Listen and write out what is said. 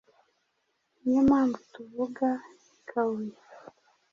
Ni yo mpamvu tuvuga i Kabuye